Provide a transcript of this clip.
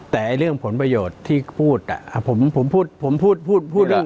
แตมันเรื่องผลประโยชน์ที่พูดผมพูด